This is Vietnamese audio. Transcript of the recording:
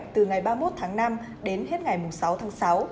từ ngày ba mươi một tháng năm đến hết ngày sáu tháng sáu